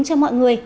cho mọi người